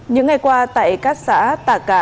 những ngày qua tại các xã tà